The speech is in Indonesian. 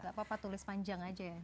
gak apa apa tulis panjang aja ya